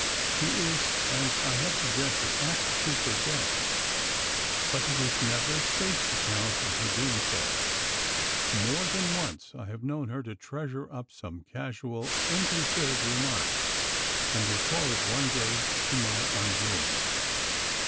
She is, as I have suggested, apt to forget, but it is never safe to count on her doing so: More than once I have known her to treasure up some casual, inconsidered remark, and recall it one day to my undoing.